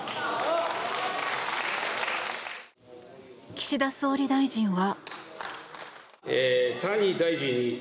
岸田総理大臣は。